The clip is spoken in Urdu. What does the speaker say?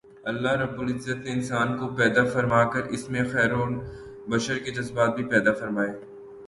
اللہ رب العزت نے انسان کو پیدا فرما کر اس میں خیر و شر کے جذبات بھی پیدا فرمائے